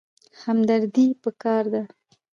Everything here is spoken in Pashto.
همدردي پکار ده